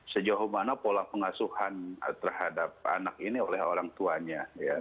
sejauh mana pola pengasuhan terhadap anak ini oleh orang tuanya